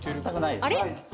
あれ？